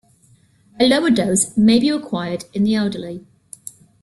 A lower dose may be required in the elderly.